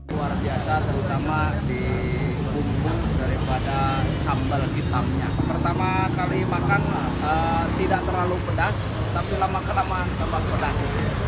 luar biasa terutama di rumpu daripada sambal hitamnya pertama kali makan tidak terlalu pedas tapi lama kelamaan tambah pedas